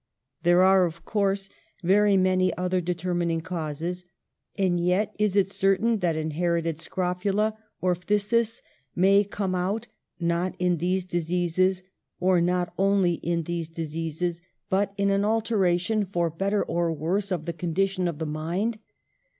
There are of course very many other determin ing causes ; yet is it certain that inherited scrofula or phthisis may come out, not in these diseases, or not only in these diseases, but in an 12 EMILY BROA'TE. alteration, for better or for worse, of the condi tion of the mind.